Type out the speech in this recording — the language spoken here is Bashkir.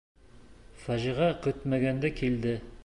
Фажиғә көтмәгәндә килде.